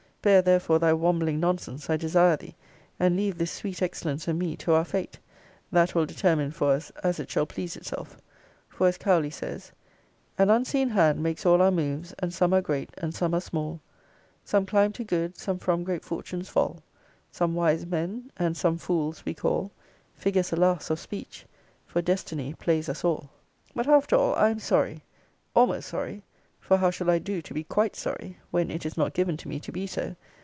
Spare therefore thy wambling nonsense, I desire thee; and leave this sweet excellence and me to our fate: that will determine for us, as it shall please itself: for as Cowley says, An unseen hand makes all our moves: And some are great, and some are small; Some climb to good, some from great fortunes fall: Some wise men, and some fools we call: Figures, alas! of speech! For destiny plays us all. But, after all, I am sorry, almost sorry (for how shall I do to be quite sorry, when it is not given to me to be so?)